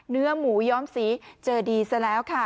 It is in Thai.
เนื้อหมูย้อมสีเจอดีซะแล้วค่ะ